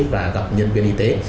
và gặp nhân viên y tế